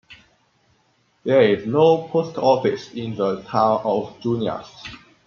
There is no post office in the Town of Junius.